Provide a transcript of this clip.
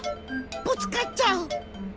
ぶつかっちゃう！